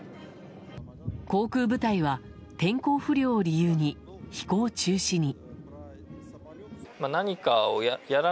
航空部隊は天候不良を理由に飛行中止に。